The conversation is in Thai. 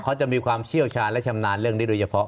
เขาจะมีความเชี่ยวชาญและชำนาญเรื่องนี้โดยเฉพาะ